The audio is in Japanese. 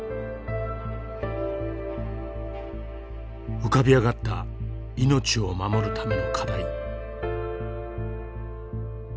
浮かび上がった命を守るための課題。